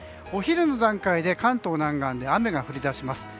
お昼の段階で関東南岸で雨が降り出します。